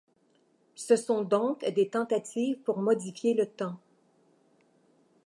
Ce sont donc des tentatives pour modifier le temps.